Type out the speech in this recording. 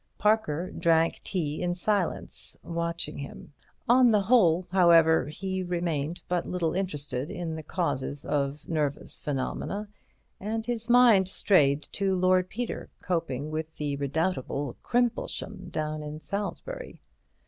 Parker drank tea in silence, watching him. On the whole, however, he remained but little interested in the causes of nervous phenomena, and his mind strayed to Lord Peter, coping with the redoubtable Crimplesham down in Salisbury.